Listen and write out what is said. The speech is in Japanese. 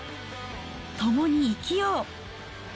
共に生きよう！